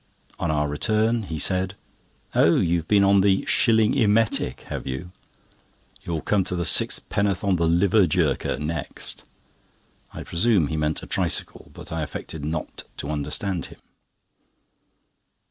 On our return, he said: "Oh, you've been on the 'Shilling Emetic,' have you? You'll come to six pennorth on the 'Liver Jerker' next." I presume he meant a tricycle, but I affected not to understand him.